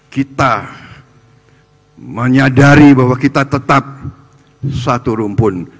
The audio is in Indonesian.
kita menyadari bahwa kita tetap satu rumpun